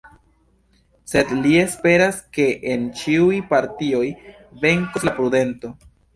Sed li esperas ke en ĉiuj partioj venkos la prudento.